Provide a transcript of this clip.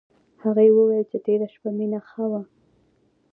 هغې وویل چې تېره شپه مينه ښه وه